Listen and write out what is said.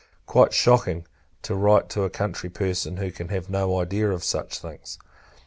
quite shocking to write to a country parson, who can have no idea of such things.